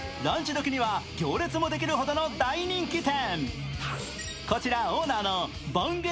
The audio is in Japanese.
時には行列もできるほどの大人気店。